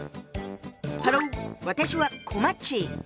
ハロー私はこまっち。